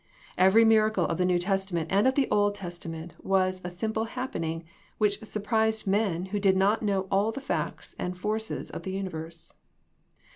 Every miracle of the 'New Testament and of the Old Testament was a sim ple happening which surprised men who did not know all the facts and forces of the universe.